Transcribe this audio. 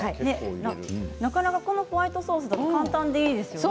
なかなかこのホワイトソース簡単でいいですね。